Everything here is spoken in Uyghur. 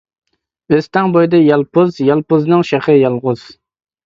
ئۆستەڭ بويىدا يالپۇز، يالپۇزنىڭ شېخى يالغۇز.